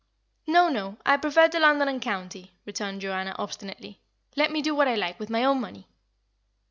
"No, no. I prefer the London & County," returned Joanna, obstinately. "Let me do what I like with my own money."